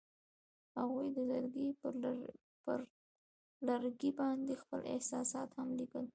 هغوی د لرګی پر لرګي باندې خپل احساسات هم لیکل.